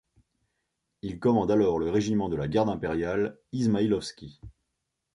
Il commande alors le régiment de la Garde impériale Izmaïlovski.